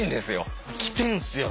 来てんすよ